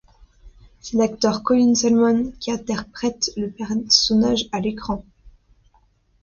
C'est l'acteur Colin Salmon qui interprète le personnage à l'écran.